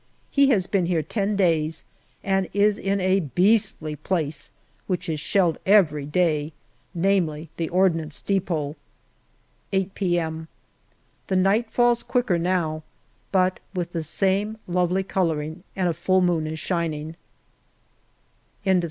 He has been here ten days, and is in a beastly place which is shelled every day, namely the Ordnance depot. 8 p.m. The night falls quicker now, but with the same lovely colouring, and a full moon is shining. July 2Sth.